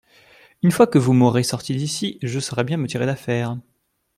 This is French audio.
Une fois que vous m'aurez sortie d'ici, je saurai bien me tirer d'affaires.